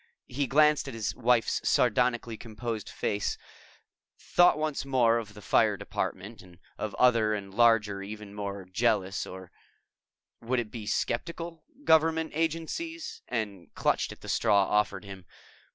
He glanced at his wife's sardonically composed face, thought once more of the Fire Department and of other and larger and even more jealous or would it be skeptical? government agencies, and clutched at the straw offered him.